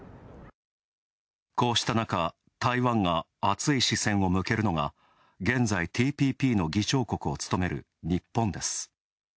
こうした中、台湾が熱い視線を向けるのが現在、ＴＰＰの議長国を務める日本です。